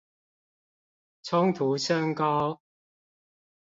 衝突升高